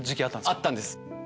あったんです。